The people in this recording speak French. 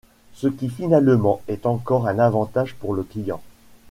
Ce qui finalement est encore un avantage pour le client.